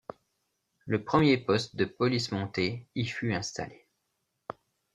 Le premier poste de police montée y fut installé.